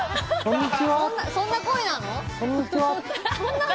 そんな声なの？